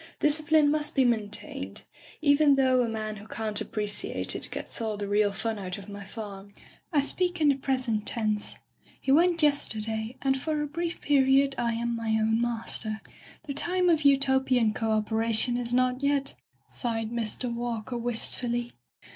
Discipline must be maintained, even though a man who can't appreciate it gets all the real fun out of my farm. I speak in the present tense. He went yesterday, and for a brief period I am my own master. The time of Utopian co operation is not yet,'* sighed Mr. Walker wistfully.